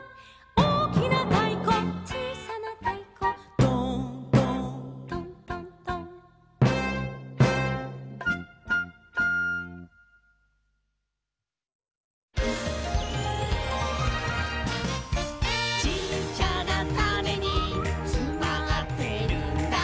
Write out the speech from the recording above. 「おおきなたいこちいさなたいこ」「ドーンドーントントントン」「ちっちゃなタネにつまってるんだ」